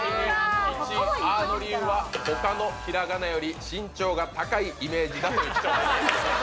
１位「あ」の理由は他のひらがなより身長が高いイメージだという貴重な意見。